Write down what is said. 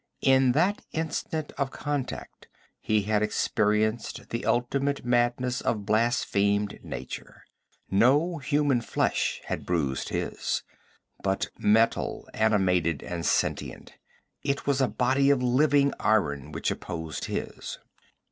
In that instant of contact he had experienced the ultimate madness of blasphemed nature; no human flesh had bruised his, but metal animated and sentient; it was a body of living iron which opposed his.